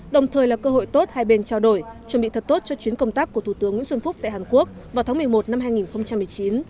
đồng thời là cơ hội tốt hai bên trao đổi chuẩn bị thật tốt cho chuyến công tác của thủ tướng nguyễn xuân phúc tại hàn quốc vào tháng một mươi một năm hai nghìn một mươi chín